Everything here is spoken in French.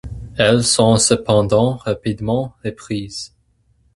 Elles sont cependant rapidement reprises.